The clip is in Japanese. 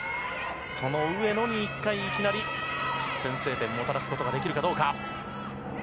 その上野に１回、いきなり先制点をもたらすことができるかどうか。